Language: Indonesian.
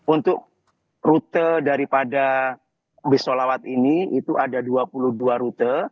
untuk rute daripada bus solawat ini itu ada dua puluh dua rute